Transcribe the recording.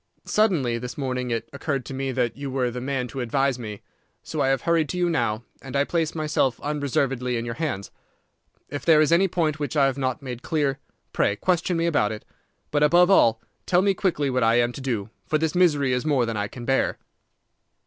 Suddenly this morning it occurred to me that you were the man to advise me, so I have hurried to you now, and I place myself unreservedly in your hands. If there is any point which I have not made clear, pray question me about it. But, above all, tell me quickly what I am to do, for this misery is more than I can bear."